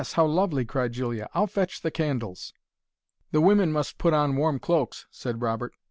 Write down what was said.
How lovely!" cried Julia. "I'll fetch the candles." "The women must put on warm cloaks," said Robert.